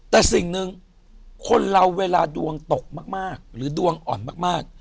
แต่สิ่งหนึ่งคนเราเวลาดวงตกมากหรือดวงอ่อนมาก